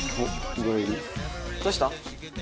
どうした？